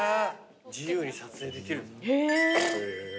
自由に撮影できる。